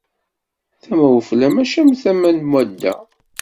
Tama ufella mačči am tama n wadda.